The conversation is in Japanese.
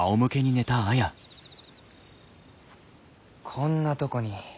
こんなとこに。